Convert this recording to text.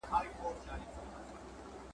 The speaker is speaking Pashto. هغه ټولنه چي ښځي ئې نالوستي وي، کمزورې ده.